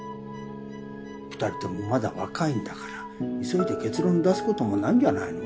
２人ともまだ若いんだから急いで結論出すこともないんじゃないの？